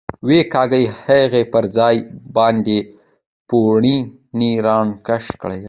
ویې کېکاږه، هغې پر ځان باندې پوړنی را کش کړ.